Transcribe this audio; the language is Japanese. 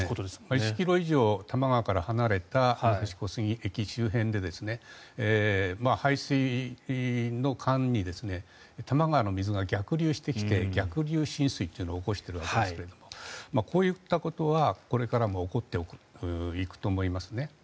１ｋｍ以上多摩川から離れた武蔵小杉駅周辺で排水の管に多摩川の水が逆流してきて逆流浸水というのを起こしているわけですがこういったことはこれからも起こっていくと思いますね。